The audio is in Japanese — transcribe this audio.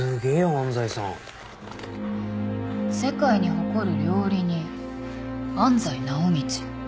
「世界に誇る料理人安西尚道」